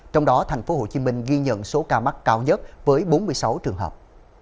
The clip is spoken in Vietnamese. trong đó tp hcm ghi nhận số ca mắc cao nhất với bốn mươi sáu trường hợp